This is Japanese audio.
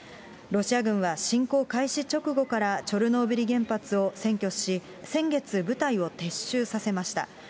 ロシア軍は、侵攻開始直後からチョルノービリ原発を占拠し、先月、部隊を撤収させました。